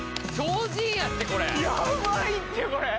やばいってこれ！